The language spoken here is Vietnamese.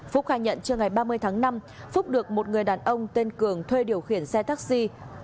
phúc khai nhận trước ngày ba mươi tháng năm phúc được một người đàn ông tên cường thuê điều khiển xe taxi